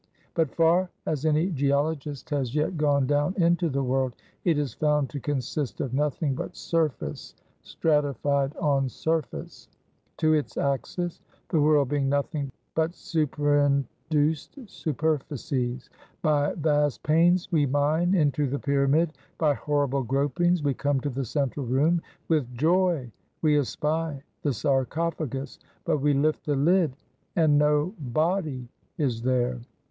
But, far as any geologist has yet gone down into the world, it is found to consist of nothing but surface stratified on surface. To its axis, the world being nothing but superinduced superficies. By vast pains we mine into the pyramid; by horrible gropings we come to the central room; with joy we espy the sarcophagus; but we lift the lid and no body is there!